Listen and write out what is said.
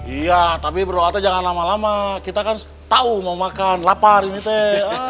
iya tapi berdoa jangan lama lama kita kan tahu mau makan lapar ini teh